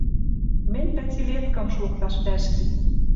Мӹнь пятилеткым шокташ вӓшкем